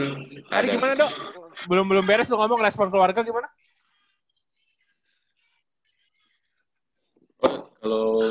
tadi gimana do belum beres lu ngomong respon keluarga gimana